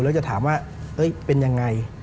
แล้วจะถามว่าเป็นยังไง